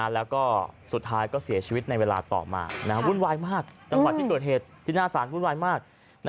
แล้วก็สุดท้ายก็เสียชีวิตในเวลาต่อมาวุ่นวายมากจังหวัดที่เกิดเหตุที่หน้าสารวุ่นวายมาก